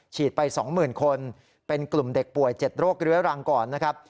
ไป๒๐๐๐คนเป็นกลุ่มเด็กป่วย๗โรคเรื้อรังก่อนนะครับ